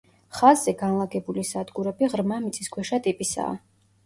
ხაზზე განლაგებული სადგურები ღრმა მიწისქვეშა ტიპისაა.